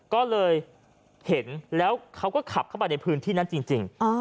ก็เลยเห็นแล้วเขาก็ขับเข้าไปในพื้นที่นั้นจริง